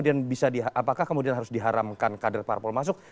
apakah kemudian harus diharamkan kader parpol masuk